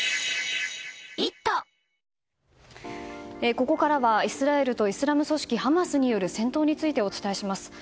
ここからは、イスラエルとイスラム組織ハマスによる戦闘について、お伝えします。